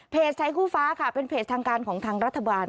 ใช้คู่ฟ้าค่ะเป็นเพจทางการของทางรัฐบาล